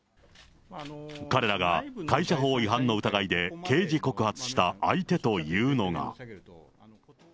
彼らが会社法違反の疑いで刑事告発した相手というのが。